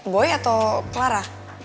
boy atau clara